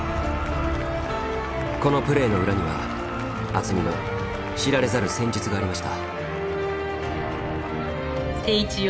このプレーの裏には渥美の知られざる戦術がありました。